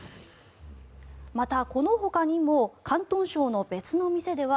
また、このほかにも広東省の別の店では